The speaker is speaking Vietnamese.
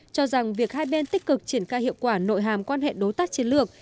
cho rằng việc hai bên tích cực triển khai hiệu quả nội hàm quan hệ đối tác chiến lược